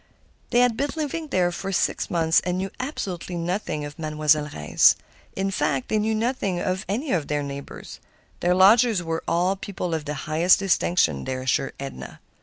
They had been living there for six months, and knew absolutely nothing of a Mademoiselle Reisz. In fact, they knew nothing of any of their neighbors; their lodgers were all people of the highest distinction, they assured Edna.